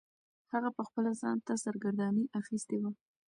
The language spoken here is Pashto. هغه پخپله ځان ته سرګرداني اخیستې وه.